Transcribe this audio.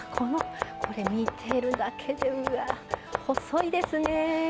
これ見てるだけでうわ細いですね。